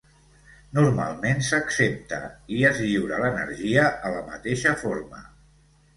Normalment s'accepta i es lliura l'energia a la mateixa forma.